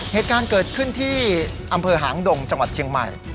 เหตุการณ์เกิดขึ้นที่อำเภอหางดงจังหวัดเชียงใหม่